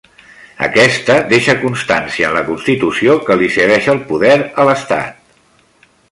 Aquesta deixa constància en la constitució que li cedeix el poder a l'estat.